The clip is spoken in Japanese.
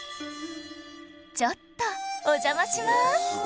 ちょっとお邪魔します